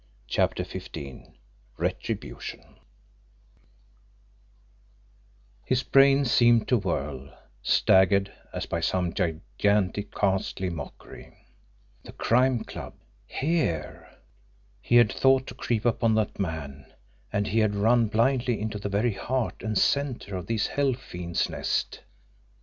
CHAPTER XV RETRIBUTION His brain seemed to whirl, staggered as by some gigantic, ghastly mockery. The Crime Club! HERE! He had thought to creep upon that man and he had run blindly into the very heart and centre of these hell fiends' nest!